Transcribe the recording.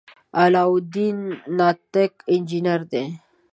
علاالدین ناټک انجنیر دی.